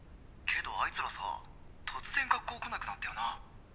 けどあいつらさ突然学校来なくなったよな？